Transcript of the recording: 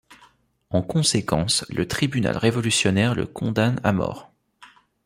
En conséquence le Tribunal révolutionnaire le condamne à mort.